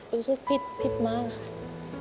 รู้สึกผิดผิดมากค่ะ